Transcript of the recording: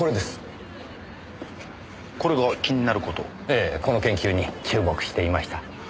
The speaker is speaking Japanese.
ええこの研究に注目していました。